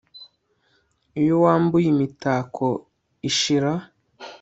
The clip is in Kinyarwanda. Iyo wambuye imitako ishira